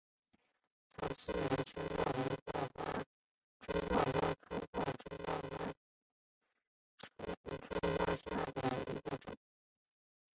长蒴圆叶报春为报春花科报春花属下的一个种。